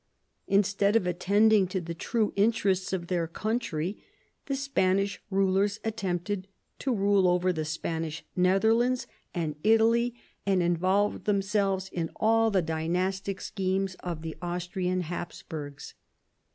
Instead of attending to the true interests of their country, the Spanish rulers attempted to rule over the Spanish Netherlands and Italy, and involved themselves in all the dynastic schemes of the Austrian Hapsburgs.